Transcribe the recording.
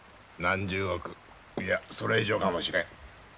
何十億いやそれ以上かもしれん。